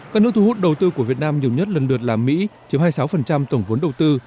các nước thu hút đầu tư của việt nam nhiều nhất lần lượt là mỹ chiếm hai mươi sáu tổng vốn đầu tư